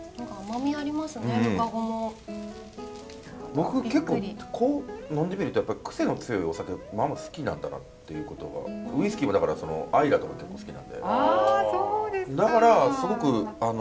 僕結構こう呑んでみるとやっぱり癖の強いお酒まあまあ好きなんだなっていうことがウイスキーもだからそのアイラとか結構好きなんでだからすごくあの。